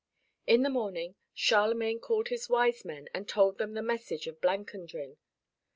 In the morning Charlemagne called his wise men and told them the message of Blancandrin.